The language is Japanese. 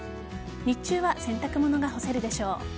日中は洗濯物が干せるでしょう。